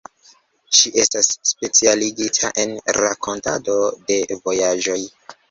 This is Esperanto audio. Ŝi estas specialigita en rakontado de vojaĝoj.